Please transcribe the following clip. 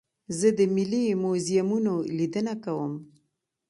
زه د ملي موزیمونو لیدنه کوم.